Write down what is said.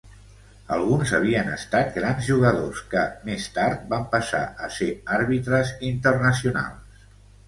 Alguns havien estat grans jugadors que, més tard, van passar a ser àrbitres internacionals.